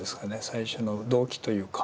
最初の動機というか。